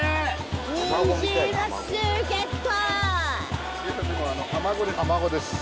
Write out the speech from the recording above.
ニジマスゲット！